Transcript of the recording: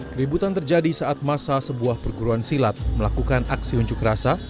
keributan terjadi saat masa sebuah perguruan silat melakukan aksi unjuk rasa